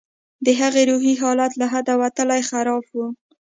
د هغې روحي حالت له حده وتلى خراب و.